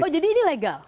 oh jadi ini legal